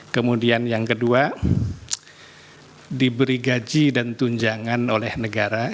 kemudian yang kedua diberi gaji dan tunjangan oleh negara